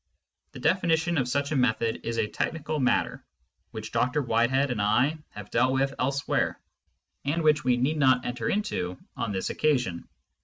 The definition of such a method is a technical matter, which Dr Whitehead and I have dealt with elsewhere, and which we need not enter into on this occasion.